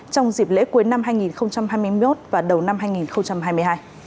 trong dịp lễ cuối năm hai nghìn hai mươi một và đầu năm hai nghìn hai mươi hai